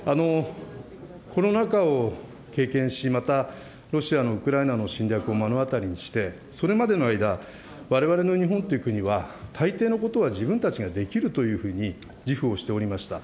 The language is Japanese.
コロナ禍を経験し、またロシアのウクライナの侵略を目の当たりにして、それまでの間、われわれの日本という国は、たいていのことは自分たちができるというふうに自負をしておりました。